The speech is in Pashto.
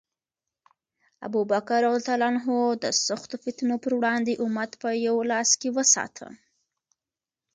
ابوبکر رض د سختو فتنو پر وړاندې امت په یو لاس کې وساته.